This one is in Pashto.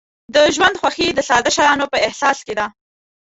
د ژوند خوښي د ساده شیانو په احساس کې ده.